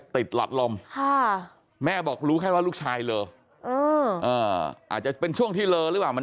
หลอดลมแม่บอกรู้แค่ว่าลูกชายเลออาจจะเป็นช่วงที่เลอหรือเปล่ามัน